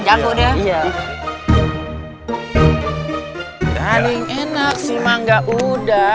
badai ini enak sih mangga udah